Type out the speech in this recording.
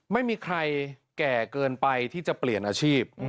ไม่มีใครแก่เกินไปที่จะเปลี่ยนอาชีพ